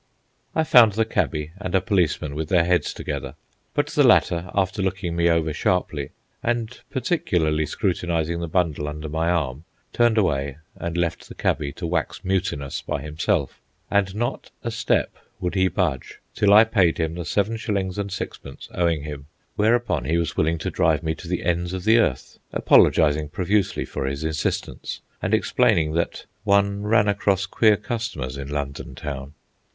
I found the cabby and a policeman with their heads together, but the latter, after looking me over sharply, and particularly scrutinizing the bundle under my arm, turned away and left the cabby to wax mutinous by himself. And not a step would he budge till I paid him the seven shillings and sixpence owing him. Whereupon he was willing to drive me to the ends of the earth, apologising profusely for his insistence, and explaining that one ran across queer customers in London Town.